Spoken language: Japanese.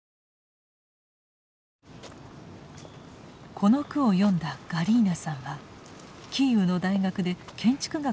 この句を詠んだガリーナさんはキーウの大学で建築学を教えています。